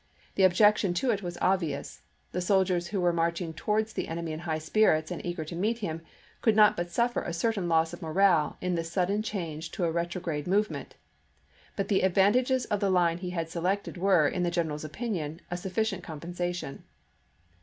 The objection to it was obvious ; the soldiers who were marching towards the enemy in high spirits and eager to meet him, could not but suffer a certain loss of morale in this sudden change to a retrograde move ment ; but the advantages of the line he had selected were, in the general's opinion, a sufficient com pensation.